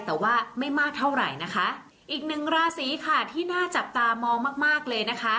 แต่ว่าไม่มากเท่าไหร่นะคะอีกหนึ่งราศีค่ะที่น่าจับตามองมากมากเลยนะคะ